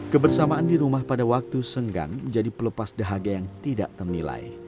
kebersamaan di rumah pada waktu senggang menjadi pelepas dahaga yang tidak ternilai